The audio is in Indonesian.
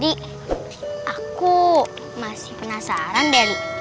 dik aku masih penasaran dali